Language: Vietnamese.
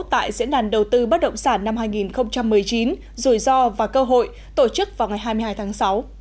tại diễn đàn đầu tư bất động sản năm hai nghìn một mươi chín rủi ro và cơ hội tổ chức vào ngày hai mươi hai tháng sáu